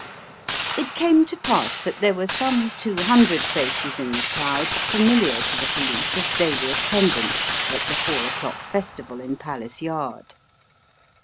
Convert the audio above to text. It came to pass that there were some two hundred faces in the crowd familiar to the police as daily attendants at the four o'clock festival in Palace Yard.